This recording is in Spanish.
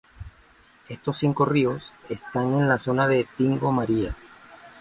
Estos cinco ríos están en la zona de Tingo María.